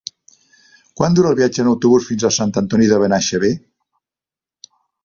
Quant dura el viatge en autobús fins a Sant Antoni de Benaixeve?